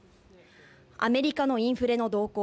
アメリカのインフレの動向。